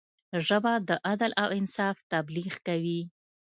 ژبه د عدل او انصاف تبلیغ کوي